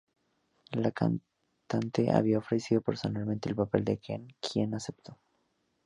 La cantante había ofrecido personalmente el papel a Ken quien aceptó.